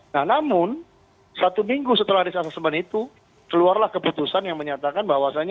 nah namun satu minggu setelah risk assessment itu keluarlah keputusan yang menyatakan bahwasannya